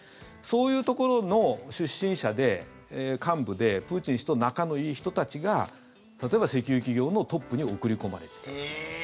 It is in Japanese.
そういうところの出身者で幹部でプーチン氏と仲のいい人たちが例えば、石油企業のトップに送り込まれる。